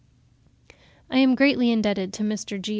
I am greatly indebted to Mr. G.